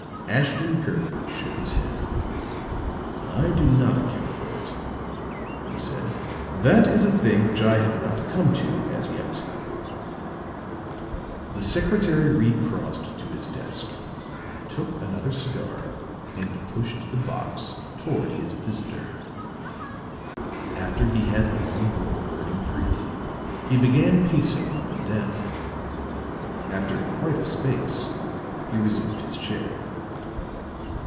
Ashton Kirk shook his head. "I do not account for it," he said. "That is a thing which I have not come to, as yet." The secretary recrossed to his desk, took another cigar and pushed the box toward his visitor; after he had the long roll burning freely, he began pacing up and down. After quite a space, he resumed his chair.